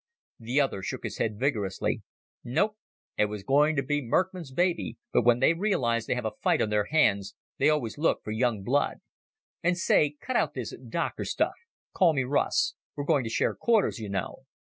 The other shook his head vigorously. "Nope. It was going to be Merckmann's baby, but when they realize they have a fight on their hands, they always look for young blood. And, say, cut out this 'Doctor' stuff. Call me Russ. We're going to share quarters, you know."